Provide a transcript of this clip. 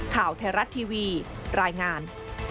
ข่าวไทยรัฐทีวีรายงาน